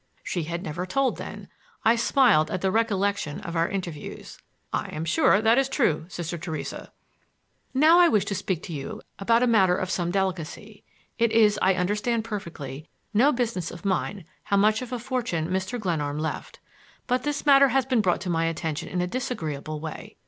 She had never told, then! I smiled at the recollection of our interviews. "I am sure that is true, Sister Theresa." "Now I wish to speak to you about a matter of some delicacy. It is, I understand perfectly, no business of mine how much of a fortune Mr. Glenarm left. But this matter has been brought to my attention in a disagreeable way.